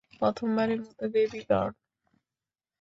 প্রথম বারের মত, বেবি গার্ল।